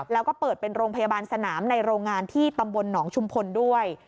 แล้วก็เปิดเป็นโรงพยาบาลสนามในโรงงานที่ตำบลหนองชุมพลด้วย